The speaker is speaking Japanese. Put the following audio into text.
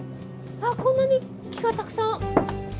こんなに木がたくさん！